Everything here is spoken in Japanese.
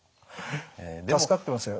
助かってますよ。